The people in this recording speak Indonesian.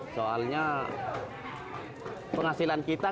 soalnya penghasilan kita kan